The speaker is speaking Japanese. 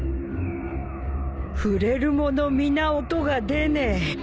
触れるもの皆音が出ねえ！